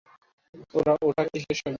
ওটা কীসের শব্দ?